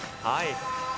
はい